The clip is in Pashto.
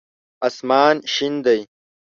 اسمان شین دی